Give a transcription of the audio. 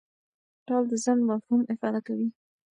ټال د ځنډ مفهوم افاده کوي.